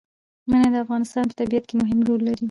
منی د افغانستان په طبیعت کې مهم رول لري.